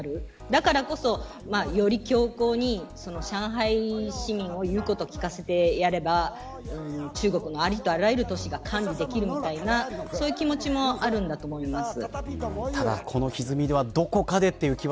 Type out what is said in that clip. だからこそ、より強硬に上海市民を言うこと聞かせてやれば中国のありとあらゆる都市が管理できるみたいなそういう気持ちもあるんだと思います。